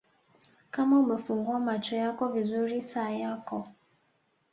Kama umefungua macho yako vizuri saa yako